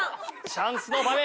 チャンスの場面。